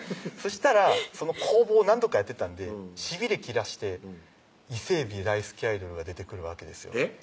したらその攻防を何度かやってたんでしびれ切らして伊勢えび大好きアイドルが出てくるわけですよ